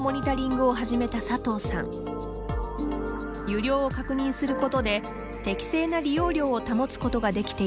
湯量を確認することで適正な利用量を保つことができています。